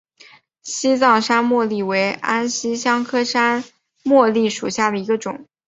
西藏山茉莉为安息香科山茉莉属下的一个种。